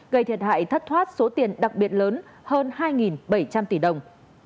gây thiệt hại thất thoát số tiền đặc biệt lớn hơn hai bảy trăm linh tỷ đồng